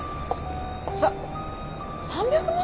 さ３００万！？